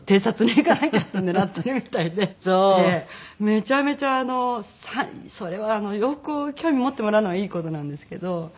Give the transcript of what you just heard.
めちゃめちゃそれは洋服興味持ってもらうのはいい事なんですけど。